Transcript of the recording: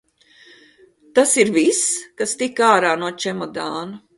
Tas ir viss, kas tika ārā no čemodāna?